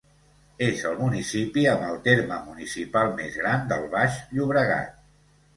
És el municipi amb el terme municipal més gran del Baix Llobregat.